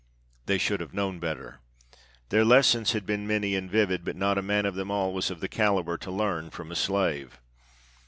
They should have known better. Their lessons had been many and vivid; but not a man of them all was of the caliber to learn from a slave.